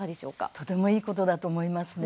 とてもいいことだと思いますね。